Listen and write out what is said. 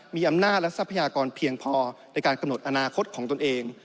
มีอำนาจและทรัพยากรเพียงพอในการกำหนดอนาคตของตนเอง